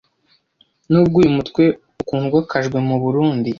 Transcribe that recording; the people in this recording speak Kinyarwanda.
Nubwo uyu mutwe ukundwakajwe mu Burundi